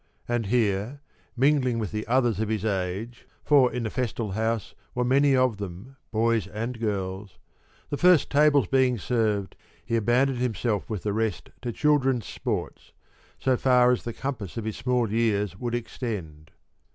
And here, mingling with the others of his age — for in the festal house were many of them, boys and girls, — the first tables being served, he abandoned himself with the rest to children's sports, so far as the compass of his small years would extend.